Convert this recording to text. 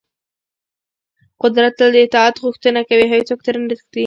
قدرت تل د اطاعت غوښتنه کوي او هېڅوک ترې نه تښتي.